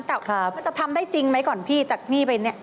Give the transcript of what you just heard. แต่มันจะทำได้จริงไหมก่อนพี่จากหนี้ไปเนี่ย